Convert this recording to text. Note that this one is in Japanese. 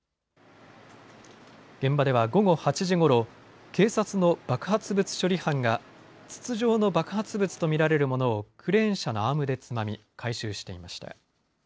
現場では、午後８時頃警察の爆発物処理班が筒状の爆発物と見られるものをクレーン車のアームでつまみ回収していました。